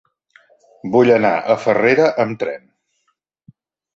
Vull anar a Farrera amb tren.